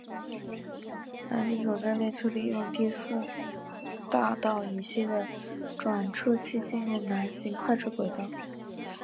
南行总站列车利用第四大道以西的转辙器进入南行快车轨道。